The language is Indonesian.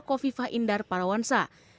kofifah indar parawansa